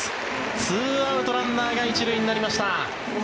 ２アウトランナーが１塁になりました。